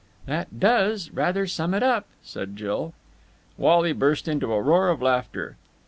'" "That does rather sum it up," said Jill. Wally burst into a roar of laughter.